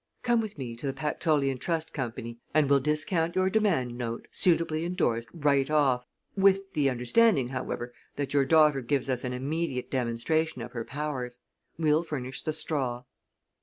Come with me to the Pactolean Trust Company and we'll discount your demand note, suitably indorsed, right off, with the understanding, however, that your daughter gives us an immediate demonstration of her powers. We'll furnish the straw."